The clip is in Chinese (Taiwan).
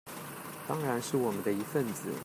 當然是我們的一分子